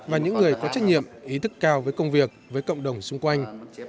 và những người có trách nhiệm ý thức cao với công việc với cộng đồng xung quanh